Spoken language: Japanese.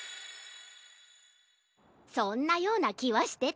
そんなようなきはしてたよ。